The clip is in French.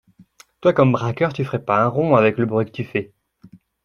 Toi, comme braqueur, tu ferais pas un rond avec le bruit que tu fais.